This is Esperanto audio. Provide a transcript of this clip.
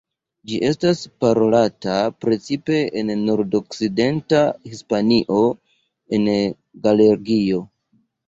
Ĝi estas parolata precipe en nordokcidenta Hispanio en Galegio.